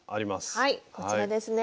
はいこちらですね。